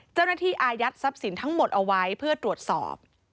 เจ้าหน้าที่อายัดทรัพย์สินทั้งหมดเอาไว้เพื่อตรวจสอบ